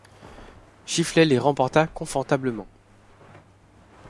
Chifley les remporta confortablement.